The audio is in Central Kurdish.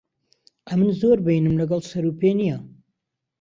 ئەمن زۆر بەینم لەگەڵ سەر و پێ نییە.